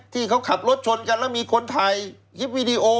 ที่เขาขับรถชนกันแล้วมีคนถ่ายคลิปวิดีโอ